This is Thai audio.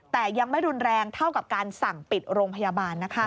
แต่ยังไม่รุนแรงเท่ากับการสั่งปิดโรงพยาบาล